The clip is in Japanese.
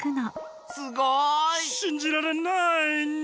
すごい！しんじられないニャ。